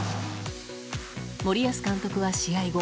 森保監督は試合後